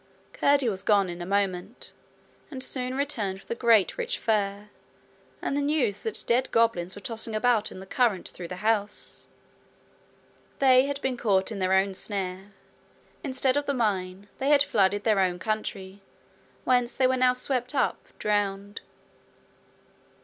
Curdie was gone in a moment, and soon returned with a great rich fur, and the news that dead goblins were tossing about in the current through the house. They had been caught in their own snare; instead of the mine they had flooded their own country, whence they were now swept up drowned.